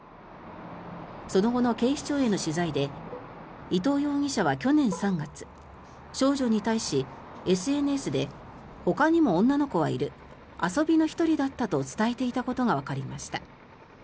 その後の警視庁への取材で伊藤容疑者は去年３月少女に対し、ＳＮＳでほかにも女の子はいる遊びの１人だったと伝えていたことがわかりました。